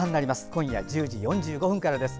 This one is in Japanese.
今夜１０時４５分からです。